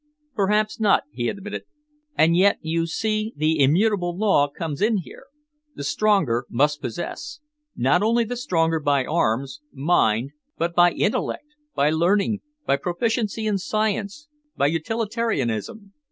"Perhaps not," he admitted. "And yet, you see, the immutable law comes in here. The stronger must possess not only the stronger by arms, mind, but by intellect, by learning, by proficiency in science, by utilitarianism.